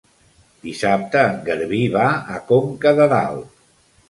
Dissabte en Garbí va a Conca de Dalt.